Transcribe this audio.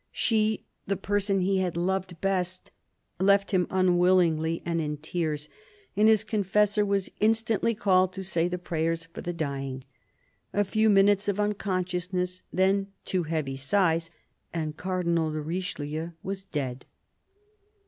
" She, the person he had loved best, left him unwillingly and in tears, and his confessor was instantly called to say the prayers for the dying. A few minutes of unconscious ness, then two heavy sighs, and Cardinal de Richelieu was dead.